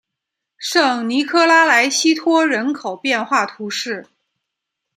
圣尼科拉莱西托人口变化图示